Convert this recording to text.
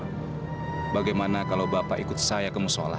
bapak bagaimana kalau bapak ikut saya ke musolah